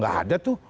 gak ada tuh